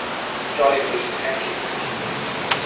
Jolly good, thank you.